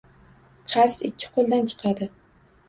Qars ikki qo‘ldan chiqadi.